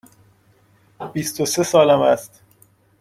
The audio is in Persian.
بیست و سه سالم است.